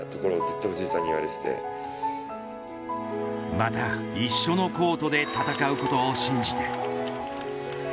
また一緒のコートで戦うことを信じて。